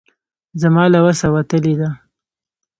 زما له وسه وتلې ده.